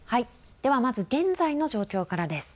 では、まず現在の状況からです。